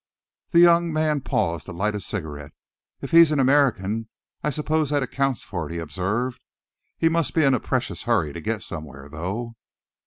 The young man paused to light a cigarette. "If he's an American, I suppose that accounts for it," he observed. "He must be in a precious hurry to get somewhere, though."